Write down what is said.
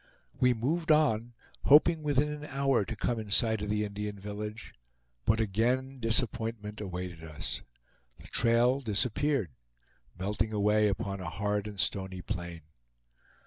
We moved on, hoping within an hour to come in sight of the Indian village; but again disappointment awaited us. The trail disappeared, melting away upon a hard and stony plain.